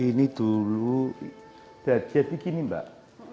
ini dulu jadi gini mbak